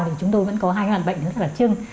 thì chúng tôi vẫn có hai căn bệnh rất là đặc trưng